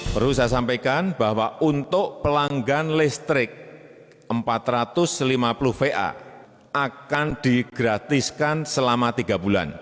perlu saya sampaikan bahwa untuk pelanggan listrik empat ratus lima puluh va akan digratiskan selama tiga bulan